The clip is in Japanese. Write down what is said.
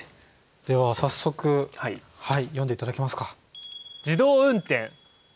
では早速読んで頂きますか。